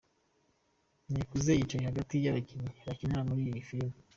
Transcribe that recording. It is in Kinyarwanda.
Nikuze wicaye hagati y'abakinnyi bakinana muri iyi filime.